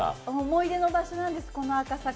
思い出の場所なんです、この赤坂。